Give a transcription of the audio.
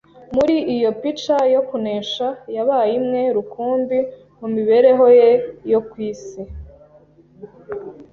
Muri iyo pica yo kunesha, yabaye imwe rukumbi mu mibereho ye yo ku isi